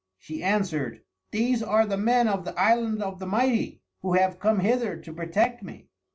She answered, "These are the men of the Island of the Mighty, who have come hither to protect me."